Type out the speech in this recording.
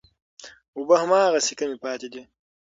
اوبه هماغسې کمې پاتې دي.